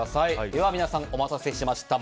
では皆さん、お待たせしました。